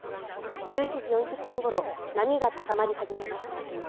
１１時４０分ごろ波が高まり始めます。